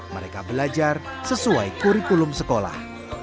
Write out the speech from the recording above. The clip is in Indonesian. mereka belajar sesuai kurikulum sekolah